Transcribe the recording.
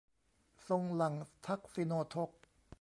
ทรงหลั่งทักษิโณทก